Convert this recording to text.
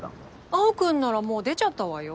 青君ならもう出ちゃったわよ。